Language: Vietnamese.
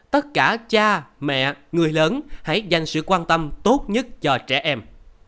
tất cả cha mẹ người lớn hãy dành sự quan tâm tốt nhất cho trẻ em